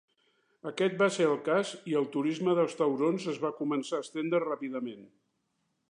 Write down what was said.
Aquest va ser el cas i el turisme dels taurons es va començar a estendre ràpidament.